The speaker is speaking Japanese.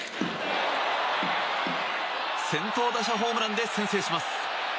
先頭打者ホームランで先制します。